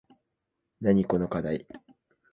なにこのかだい